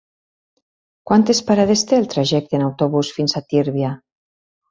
Quantes parades té el trajecte en autobús fins a Tírvia?